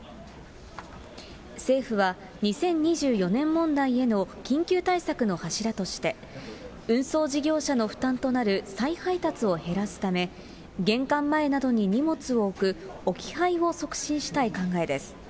政府は２０２４年問題への緊急対策の柱として、運送事業者の負担となる再配達を減らすため、玄関前などに荷物を置く置き配を促進したい考えです。